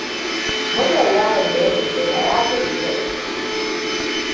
Muryar yaron da ya firgita ya girgiza da tsoro.